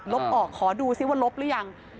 ออกขอดูซิว่าลบหรือยัง